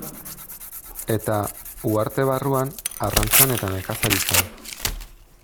Eta, uharte barruan, arrantzan eta nekazaritzan.